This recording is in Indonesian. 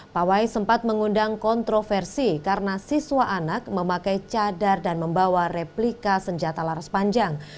pawai sempat mengundang kontroversi karena siswa anak memakai cadar dan membawa replika senjata laras panjang